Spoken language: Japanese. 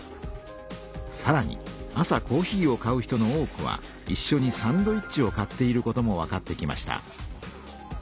さらに朝コーヒーを買う人の多くはいっしょにサンドイッチを買っていることもわかってきました。